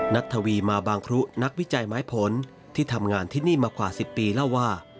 ทวีมาบางครุนักวิจัยไม้ผลที่ทำงานที่นี่มากว่า๑๐ปีเล่าว่า